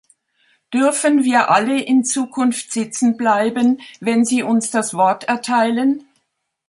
Dürfen wir alle in Zukunft sitzen bleiben, wenn Sie uns das Wort erteilen?